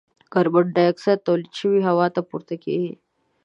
کاربن ډای اکسایډ تولید شوی هوا ته پورته کیږي.